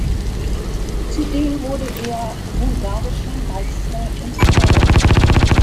Zudem wurde er Bulgarischer Meister im Slalom.